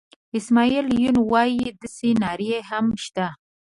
اسماعیل یون وایي داسې نارې هم شته.